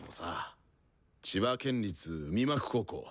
千葉県立海幕高校。